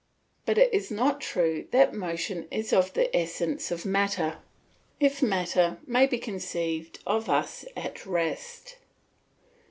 But it is not true that motion is of the essence of matter, if matter may be conceived of as at rest.